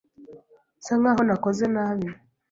Nsa nkaho nakoze nabi.